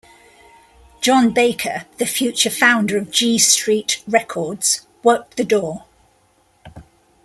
Jon Baker, the future founder of Gee Street Records, worked the door.